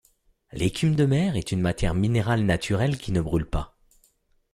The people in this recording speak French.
L'écume de mer est une matière minérale naturelle qui ne brûle pas.